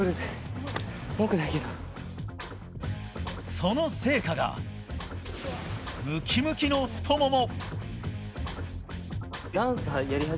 その成果が、ムキムキの太もも。